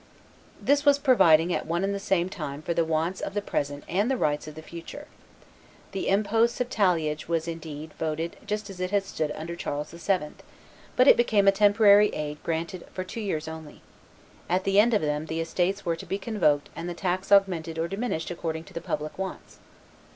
This was providing at one and the same time for the wants of the present and the rights of the future. The impost of talliage was, indeed, voted just as it had stood under Charles VII., but it became a temporary aid granted for two years only; at the end of them the estates were to be convoked and the tax augmented or diminished according to the public wants.